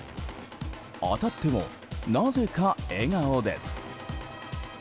当たってもなぜか笑顔です。